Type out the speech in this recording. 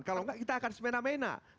kalau enggak kita akan semenang menang